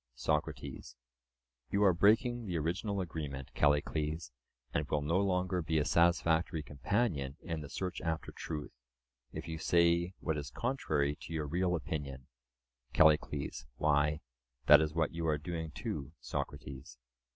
SOCRATES: You are breaking the original agreement, Callicles, and will no longer be a satisfactory companion in the search after truth, if you say what is contrary to your real opinion. CALLICLES: Why, that is what you are doing too, Socrates.